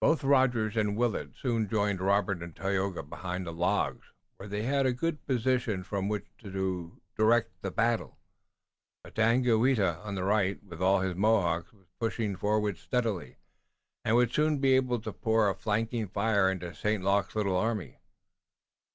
Both Rogers and Willet soon joined Robert and Tayoga behind the logs where they had a good position from which to direct the battle, but Daganoweda on the right, with all of his Mohawks, was pushing forward steadily and would soon be able to pour a flanking fire into St. Luc's little army.